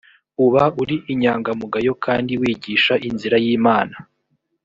uba uri inyangamugayo kandi wigisha inzira y imana